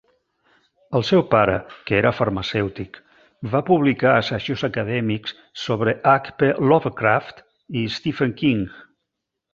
El seu pare, que era farmacèutic, va publicar assajos acadèmics sobre H. P. Lovecraft i Stephen King.